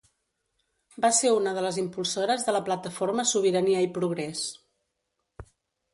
Va ser una de les impulsores de la plataforma Sobirania i Progrés.